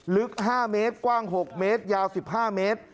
ลึก๕เมตรกว้าง๖เมตรยาว๑๕เมตร